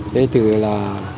thế từ là